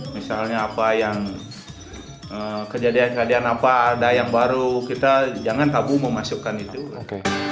misalnya apa yang kejadian kejadian apa ada yang baru kita jangan tabu memasukkan itu